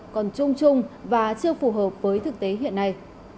còn chung chung và chưa phù hợp với thực tế hiện nay